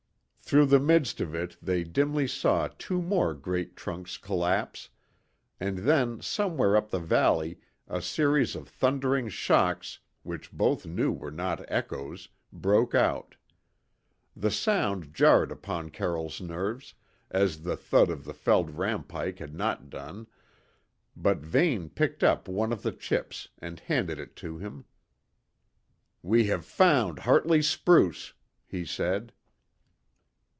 Through the midst of it they dimly saw two more great trunks collapse; and then somewhere up the valley a series of thundering shocks, which both knew were not echoes, broke out. The sound jarred upon Carroll's nerves, as the thud of the felled rampike had not done, but Vane picked up one of the chips and handed it to him. "We have found Hartley's spruce," he said.